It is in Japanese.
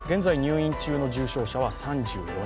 現在入院中の重症者は３４人。